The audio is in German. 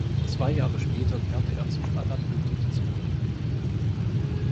Zwei Jahre später kehrte er zu Standard Lüttich zurück.